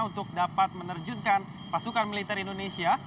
untuk dapat menerjunkan pasukan militer indonesia